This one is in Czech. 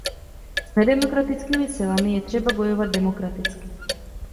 S nedemokratickými silami je třeba bojovat demokraticky.